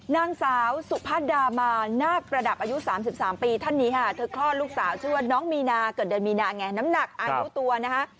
นางสาวสุภาษฎรมมาหน้ากระดับอายุ๓๓ปีท่านนี้ฮะเธอคลอดลูกสาวเทียดน้องมีนาก็เกิดเดือนมีนานำหนักอายุตัวน่ะฮะ